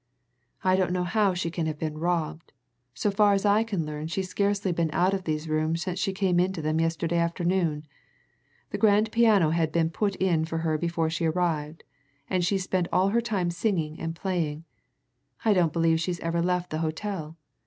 I don't know how she can have been robbed so far as I can learn she's scarcely been out of these rooms since she came into them yesterday afternoon. The grand piano had been put in for her before she arrived, and she's spent all her time singing and playing I don't believe she's ever left the hotel.